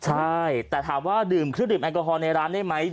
ใช่แต่ถามว่าดื่มขึ้นริมแอลกอฮอล์ในร้านได้ไหม